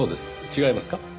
違いますか？